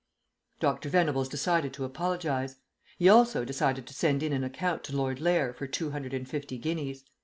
Dr. Venables decided to apologise. He also decided to send in an account to Lord Lair for two hundred and fifty guineas.